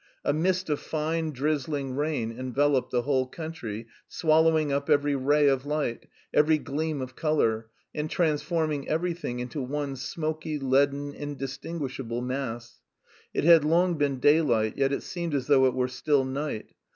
A mist of fine, drizzling rain enveloped the whole country, swallowing up every ray of light, every gleam of colour, and transforming everything into one smoky, leaden, indistinguishable mass. It had long been daylight, yet it seemed as though it were still night.